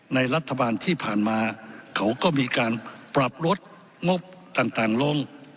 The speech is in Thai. รัฐบาลที่ผ่านมาเขาก็มีการปรับลดงบต่างลง